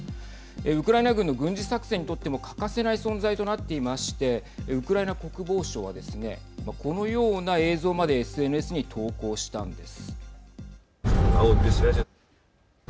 ウクライナ軍の軍事作戦にとっても欠かせない存在となっていましてウクライナ国防省はですねこのような映像までＳＮＳに投稿したんです。